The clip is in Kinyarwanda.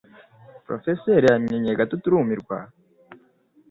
Porofeseri yamwenyuye gato turumirwa